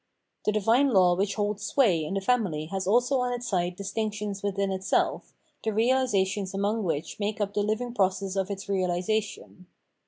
The divine law which holds sway in the family has also on its side distinctions within itself, the relations among which make up the living process of its reahsation.